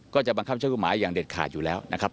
ก็จะบังคับใช้กฎหมายอย่างเด็ดขาดอยู่แล้วนะครับ